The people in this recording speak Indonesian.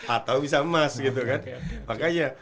atau bisa emas gitu kan makanya